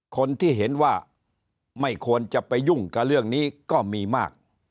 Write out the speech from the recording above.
คนที่เห็นว่าไม่ควรจะไปยุ่งกับเรื่องนี้ก็มีมาก